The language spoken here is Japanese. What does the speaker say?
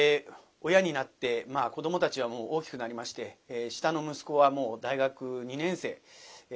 親になって子どもたちはもう大きくなりまして下の息子はもう大学２年生。